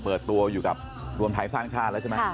เปิดตัวอยู่กับรวมไทยสร้างชาติแล้วใช่ไหม